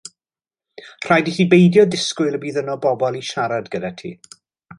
Rhaid i ti beidio disgwyl y bydd yno bobl i siarad gyda ti.